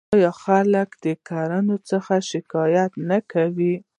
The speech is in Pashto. آیا خلک د ګرانۍ څخه شکایت نه کوي؟